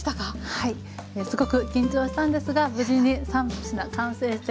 はいすごく緊張したんですが無事に３品完成してよかったです。